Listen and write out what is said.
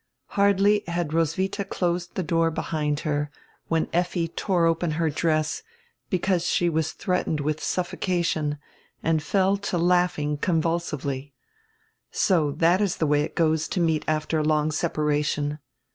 Hardly had Roswitha closed die door behind her when Effi tore open her dress, because she was threatened with suffocation, and fell to laughing convulsively. "So that is die way it goes to meet after a long separation."